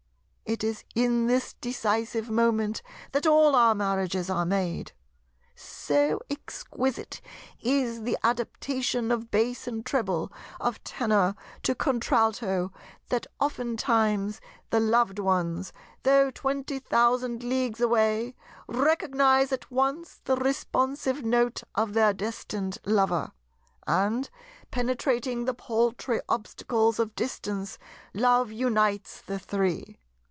It is in this decisive moment that all our marriages are made. So exquisite is the adaptation of Bass and Treble, of Tenor to Contralto, that oftentimes the Loved Ones, though twenty thousand leagues away, recognize at once the responsive note of their destined Lover; and, penetrating the paltry obstacles of distance, Love unites the three.